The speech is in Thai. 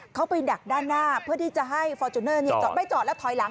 เขาไปดักด้านหน้าเพื่อที่จะให้ฟอร์จูเนอร์จอดไม่จอดแล้วถอยหลัง